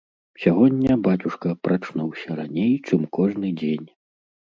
Сягоння бацюшка прачнуўся раней, чым кожны дзень.